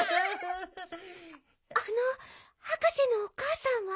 あのはかせのおかあさんは？